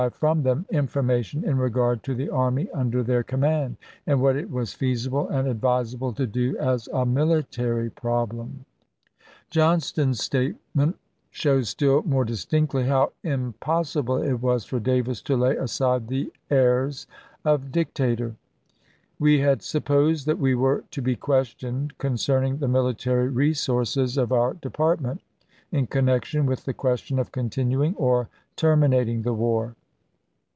e from them information in regard to the army under ernraent/; their command, and what it was feasible and pp. 679, 680, advisable to do as a military problem." Johnston's statement shows still more distinctly how impossible it was for Davis to lay aside the airs of dictator :" We had supposed that we were to be questioned concerning the military resources of our department, in connection with the question of continuing or terminating the war.